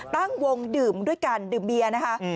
ตั้งวงดื่มด้วยกันดื่มเบียร์นะคะ